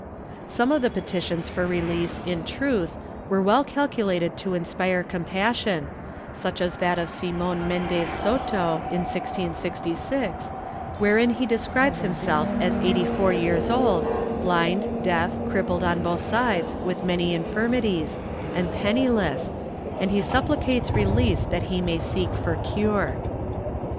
Some of the petitions for release, in truth, were well calculated to inspire compassion, such as that of Simon Mendez Soto, in 1666, wherein he describes himself as 84 years old, blind, deaf, crippled on both sides with many infirmities and penniless, and he supplicates release that he may seek for cure.